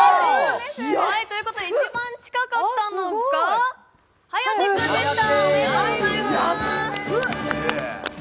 一番近かったのは颯君でした。